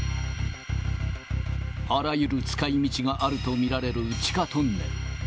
あらゆる使いみちがあると見られる地下トンネル。